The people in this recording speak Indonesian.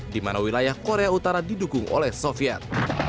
di mana wilayah korea utara didukung oleh soviet